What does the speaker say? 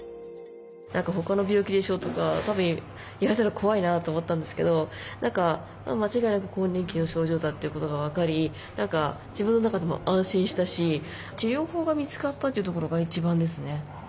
「他の病気でしょ」とか言われたら怖いなと思ったんですけど間違いなく更年期の症状だっていうことが分かり自分の中でも安心したし治療法が見つかったというところが一番ですね。